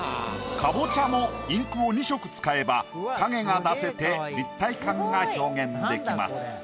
かぼちゃもインクを２色使えば影が出せて立体感が表現できます。